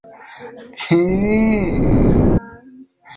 Es asimismo capital del distrito de Supe en el departamento de Lima.